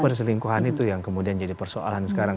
perselingkuhan itu yang kemudian jadi persoalan sekarang